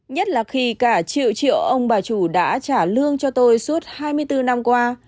nhất là khi cả triệu triệu ông bà chủ đã trả lương cho tôi suốt hai mươi bốn năm qua